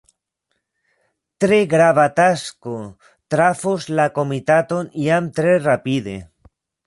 Tre grava tasko trafos la komitaton jam tre rapide.